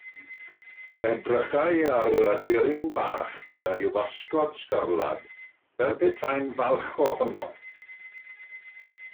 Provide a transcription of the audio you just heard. Edrychai ar yr aderyn bach gyda'i wasgod sgarlad fel petai'n falch ohono.